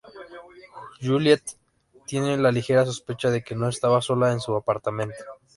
Juliette tiene la ligera sospecha de que no está sola en su apartamento.